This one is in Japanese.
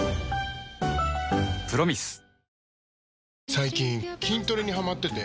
最近筋トレにハマってて。